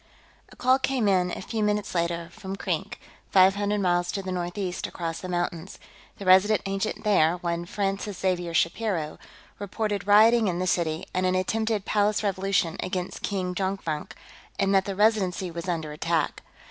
A call came in, a few minutes later, from Krink, five hundred miles to the northeast across the mountains; the Resident Agent there, one Francis Xavier Shapiro, reported rioting in the city and an attempted palace revolution against King Jonkvank, and that the Residency was under attack.